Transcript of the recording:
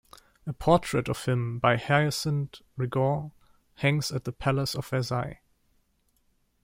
A portrait of him by Hyacinthe Rigaud hangs at the Palace of Versailles.